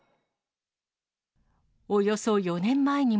およそ４年前にも。